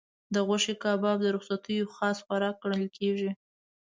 د غوښې کباب د رخصتیو خاص خوراک ګڼل کېږي.